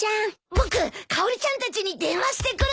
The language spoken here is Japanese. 僕かおりちゃんたちに電話してくる！